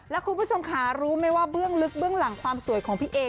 แล้วคุณผู้ชมค่ะรู้ไหมว่าเบื้องลึกเบื้องหลังความสวยของพี่เอ